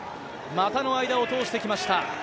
股の間を通してきました。